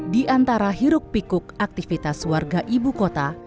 di antara hiruk pikuk aktivitas warga ibu kota